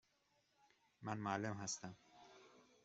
من معلم هستم.